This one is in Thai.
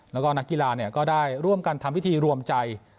แล้วก็นักกีฬาก็ได้ร่วมกันทำพิธีรวมใจ